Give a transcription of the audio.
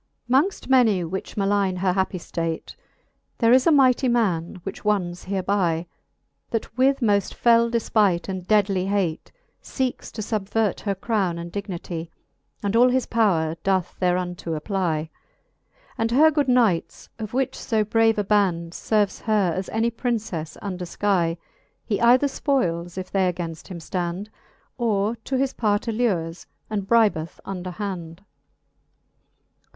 XVIII. Mongft Canto VIII. the Faerie ^eene. 1 25 XVIII. Mongft many which mallgne her happy ftate, There is a mighty man, which wonnes here by That with moft fell defpight and deadly hate^ Seekes to fubvert her crowne and dignity, And all his powre doth thereunto apply : And her good knights, of which {b brave a band Serves her, as any PrincefTe under (ky, He either fpoiles, if they againft him ftand. Or to his part allures, and bribeth under hand.